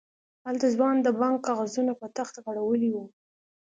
هلته ځوان د بانک کاغذونه په تخت غړولي وو.